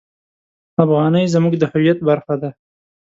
افغانۍ زموږ د هویت برخه ده.